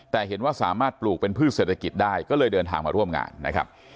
แต่เห็นว่าสามารถปลูกเป็นพืชเศรษฐกิจได้ก็เลยเดินทางมาร่วมงานนะครับ